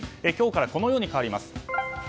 今日からこのように変わります。